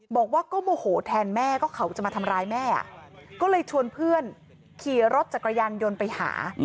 บอกว่าก็โมโหแทนแม่ก็เขาจะมาทำร้ายแม่ก็เลยชวนเพื่อนขี่รถจักรยานยนต์ไปหา